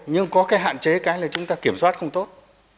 nhưng có cái hạn chế cái là chúng ta kiểm soát không tốt